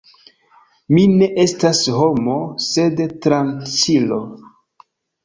Mi ne estas homo, sed tranĉilo!